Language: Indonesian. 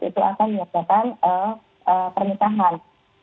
itu akan dijawabkan pernikahan